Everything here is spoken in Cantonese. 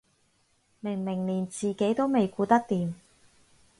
明明連自己都未顧得掂